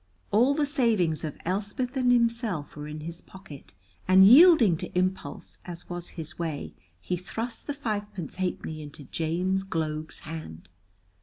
All the savings of Elspeth and himself were in his pocket, and yielding to impulse, as was his way, he thrust the fivepence halfpenny into James Gloag's hand.